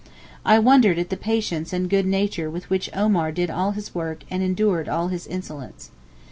I wondered at the patience and good nature with which Omar did all his work and endured all his insolence.